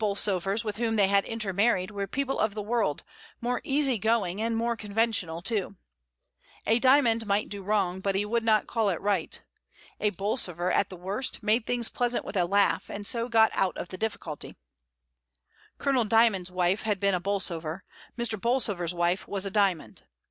DYMOND. Bolsovers, with whom they had intermarried, were people of the world, more easy going, and more con ventional too* A Dymond might do wrong, but he would not call it right. A Bolsover, at the worst, made things pleasant with a laugh, and so got out of the difficuhy. Colonel Dymond's wife had been a Bolsover, Mr. Bolsover's wife was a Dymond.